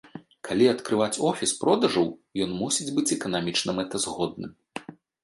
Калі адкрываць офіс продажаў, ён мусіць быць эканамічна мэтазгодным.